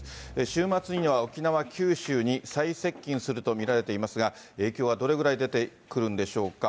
週末には沖縄、九州に最接近すると見られていますが、影響はどれくらい出てくるんでしょうか。